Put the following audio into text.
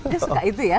dia suka itu ya